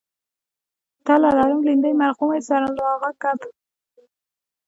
تله لړم لیندۍ مرغومی سلواغه کب